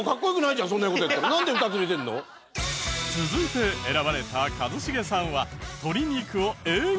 続いて選ばれた一茂さんは。